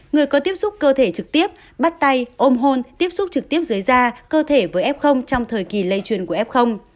người có tiếp xúc cơ thể trực tiếp bắt tay ôm hôn tiếp xúc trực tiếp dưới da cơ thể với f trong thời kỳ lây truyền của f